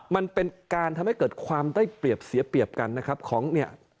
มันเป็นการทำให้เกิดความได้เปรียบเสียเปรียบกันนะครับของเนี่ย